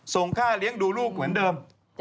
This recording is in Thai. ส่งค่าเลี้ยงดูลูกเหมือนเดิม